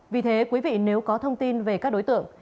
vì thế quý vị nếu có thông tin về các đối tượng